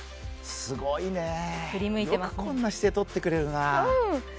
すごいね、よくこんな姿勢とってくれるな。